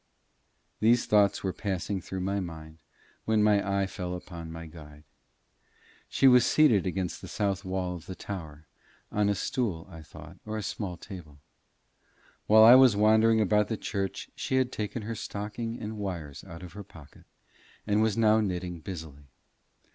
These thoughts were passing through my mind when my eye fell upon my guide. She was seated against the south wall of the tower, on a stool, I thought, or small table. While I was wandering about the church she had taken her stocking and wires out of her pocket, and was now knitting busily.